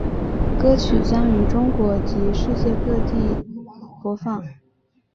歌曲将于中国及世界各地播放。